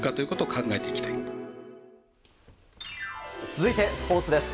続いて、スポーツです。